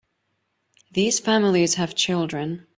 These families have children.